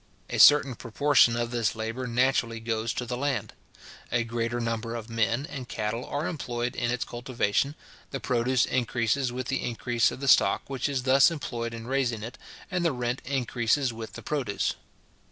A certain proportion of this labour naturally goes to the land. A greater number of men and cattle are employed in its cultivation, the produce increases with the increase of the stock which is thus employed in raising it, and the rent increases with the produce.